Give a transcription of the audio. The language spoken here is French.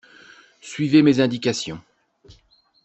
Suivez mes indications.